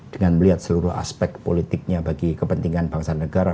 dengan melihat seluruh aspek politiknya bagi kepentingan bangsa dan negara